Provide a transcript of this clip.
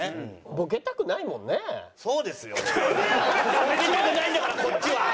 ボケたくないんだからこっちは！